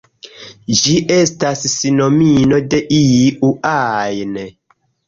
Ĝi estas sinonimo de "iu ajn".